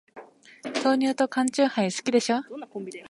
豆乳と缶チューハイ、好きでしょ。